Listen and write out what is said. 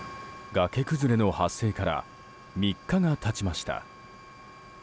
崖崩れの発生から３日が経ちました。